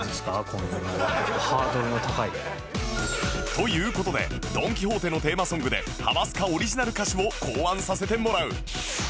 という事でドン・キホーテのテーマソングで『ハマスカ』オリジナル歌詞を考案させてもらう